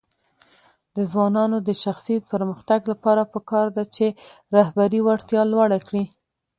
د ځوانانو د شخصي پرمختګ لپاره پکار ده چې رهبري وړتیا لوړه کړي.